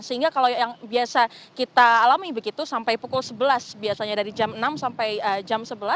sehingga kalau yang biasa kita alami begitu sampai pukul sebelas biasanya dari jam enam sampai jam sebelas